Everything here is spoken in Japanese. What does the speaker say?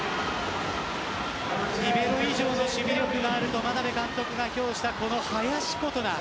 リベロ以上の守備力があると眞鍋監督が評した林琴奈。